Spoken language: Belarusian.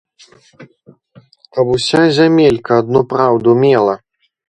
Каб уся зямелька адну праўду мела!